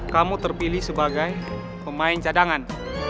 kamu terpilih sebagai pemain cadangan